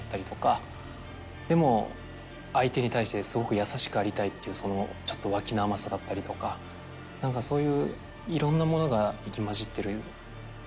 でも相手に対してすごく優しくありたいっていうちょっと脇の甘さだったりとかそういういろんなものが入り交じってる。